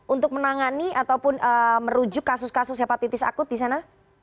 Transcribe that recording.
untuk menangani ataupun merujuk kasus kasus hepatitis akut disana